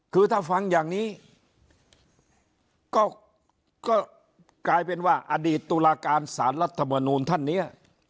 คือถ้าฟังอย่างนี้ก็กลายเป็นว่าอดีตตุลาการสารรัฐมนูลท่านเนี่ย